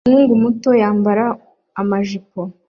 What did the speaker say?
Umuhungu muto yambara amajipo